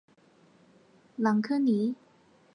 朗科尼。